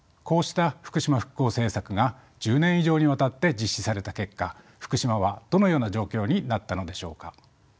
こうした福島復興政策が１０年以上にわたって実施された結果福島はどのような状況になったのでしょうか？